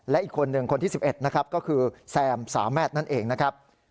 และอีกคนหนึ่งคนที่๑๑นะครับก็คือแซมสามารถนั่นเองนะครับ